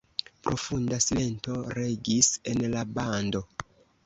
Profunda silento regis en la bando.